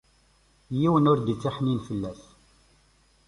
Yiwen ur d-ittiḥnin fell-as.